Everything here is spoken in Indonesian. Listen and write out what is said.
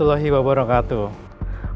waalaikumsalam warahmatullahi wabarakatuh